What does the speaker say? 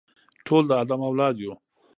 ټول د آدم اولاد یو.